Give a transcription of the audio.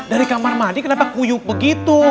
dari kamar mandi kenapa kuyuk begitu